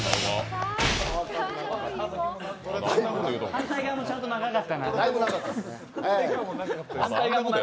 反対側もちゃんと長かったな。